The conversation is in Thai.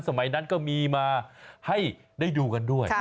สมัยนั้นก็มีมาให้ได้ดูกันด้วย